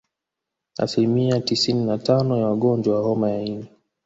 Asilimia tisini na tano ya wagonjwa wa homa ya ini